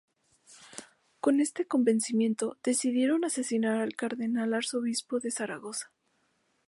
Con este convencimiento, decidieron asesinar al cardenal arzobispo de Zaragoza.